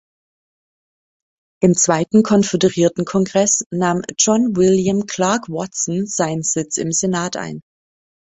Im zweiten Konföderiertenkongress nahm John William Clark Watson seinen Sitz im Senat ein.